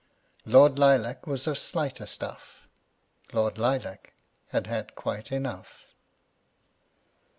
Lord Lilac was of slighter stuff; Lord Lilac had had quite enough.